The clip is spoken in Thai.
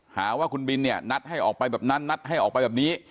หาว่าคุณบินเนี่ยนัดให้ออกไปแบบนั้นนัดให้ออกไปแบบนี้